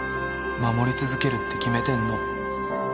守り続けるって決めてんの